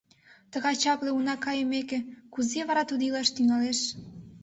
Тыгай чапле уна кайымеке, кузе вара тудо илаш тӱҥалеш?